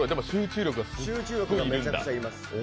集中力が要ります。